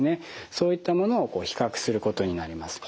そういったものを比較することになります。